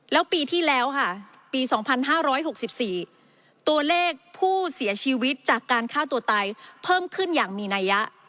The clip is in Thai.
แล้วปีที่แล้วค่ะปี๒๕๖๔ตัวเลขผู้เสียชีวิตจากการฆ่าตัวตายเพิ่มขึ้นอย่างมีนัยยะ